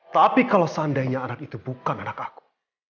tapi kalau seandainya anak itu bukan anak aku